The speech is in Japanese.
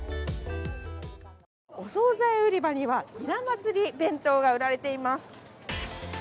お総菜売り場にはひな祭り弁当が売られています。